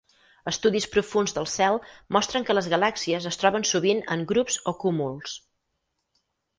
Estudis profunds del cel mostren que les galàxies es troben sovint en grups o cúmuls.